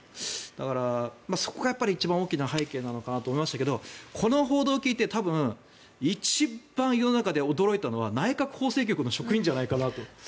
だからそこが一番大きな背景なのかなと思いましたがこの報道を聞いて多分、一番世の中で驚いたのは内閣法制局の職員じゃないかなと。